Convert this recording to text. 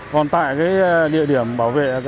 còn tại địa điểm bảo vệ